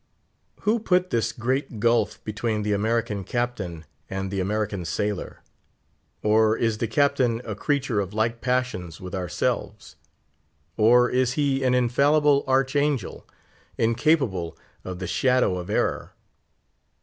Who put this great gulf between the American Captain and the American sailor? Or is the Captain a creature of like passions with ourselves? Or is he an infallible archangel, incapable of the shadow of error?